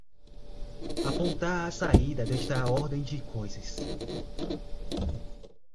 apontar a saída desta ordem de coisas